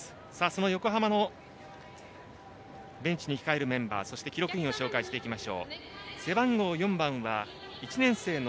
その横浜のベンチに控えるメンバーそして記録員を紹介します。